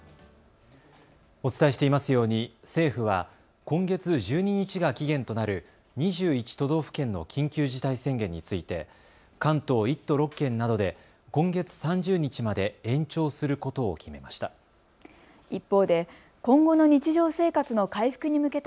お伝えしていますように政府は今月１２日が期限となる２１都道府県の緊急事態宣言について関東１都６県などで今月３０日まで延長することを決めました。